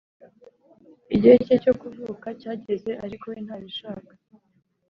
igihe cye cyo kuvuka cyageze, ariko we ntabishaka!